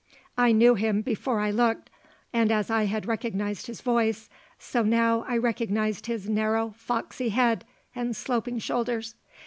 I knew him before I looked; and as I had recognized his voice, so now I recognized his narrow, foxy head, and sloping shoulders.